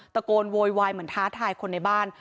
โวยวายเหมือนท้าทายคนในบ้าน